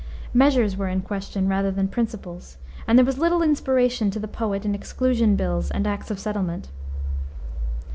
Measures were in question rather than principles, and there was little inspiration to the poet in Exclusion Bills and Acts of Settlement.